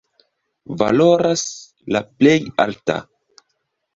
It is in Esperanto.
Valoras la plej alta.